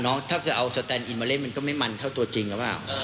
ถ้าเกิดเอาสแตนอินมาเล่นมันก็ไม่มันเท่าตัวจริงหรือเปล่า